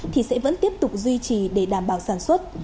thì sẽ vẫn tiếp tục duy trì để đảm bảo sản xuất